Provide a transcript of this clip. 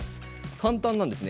簡単なんですね。